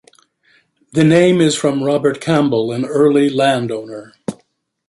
The name is from Robert Campbell, an early landowner.